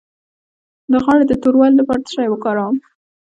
د غاړې د توروالي لپاره څه شی وکاروم؟